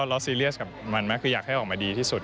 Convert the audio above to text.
เราซีเรียสกับมันมากคืออยากให้ออกมาดีที่สุด